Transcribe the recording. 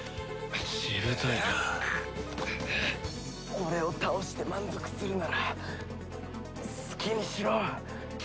俺を倒して満足するなら好きにしろ。